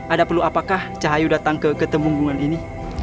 ada perlu apakah cahayu datang ke ketemunggungan ini